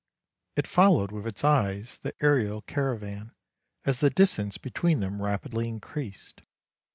It followed with its eyes the aerial caravan, as the distance between them rapidly increased.